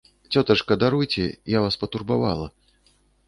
Цётачка, даруйце, я вас патурбавала.